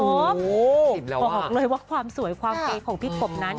โอ้โหสิบแล้วว่ะขอออกเลยว่าความสวยความเก๋ของพี่กบนั้น